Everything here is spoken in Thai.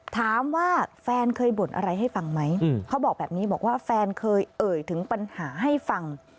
ถามว่าแฟนเคยบ่นอะไรให้ฟังไหมเขาบอกแบบนี้บอกว่าแฟนเคยเอ่ยถึงปัญหาให้ฟัง